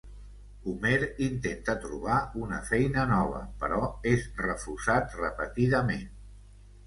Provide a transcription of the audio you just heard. Homer intenta trobar una feina nova, però és refusat repetidament.